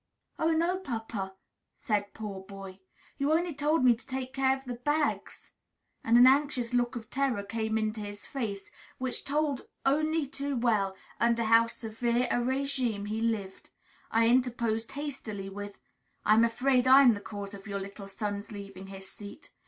"Oh, no, papa," said poor Boy, "you only told me to take care of the bags." And an anxious look of terror came into his face, which told only too well under how severe a régime he lived. I interposed hastily with "I am afraid I am the cause of your little son's leaving his seat.